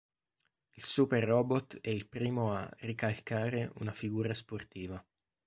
Il Super Robot è il primo a "ricalcare" una figura sportiva.